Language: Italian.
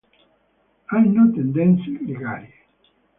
Hanno tendenze gregarie.